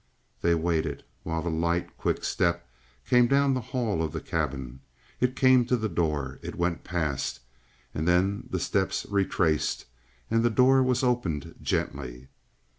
They waited, while the light, quick step came down the hall of the cabin. It came to the door, it went past; and then the steps retraced and the door was opened gently.